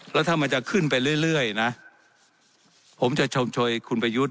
แล้วถ้ามันจะขึ้นไปเรื่อยนะผมจะชมโชยคุณประยุทธ์